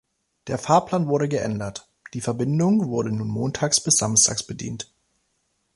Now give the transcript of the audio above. Der Fahrplan wurde geändert: Die Verbindung wurde nun montags bis samstags bedient.